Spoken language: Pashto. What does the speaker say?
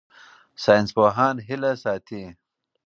ساینسپوهان هیله ساتي.